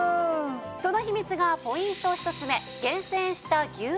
その秘密がポイント１つ目。